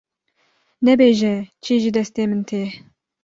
nebêje çi ji destê min tê.